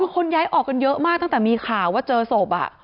คนย้ายออกกันเยอะมากตั้งแต่มีข่าวว่าเจอศพ